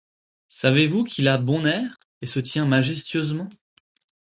Savez-vous qu’il a bon air et se tient majestueusement ?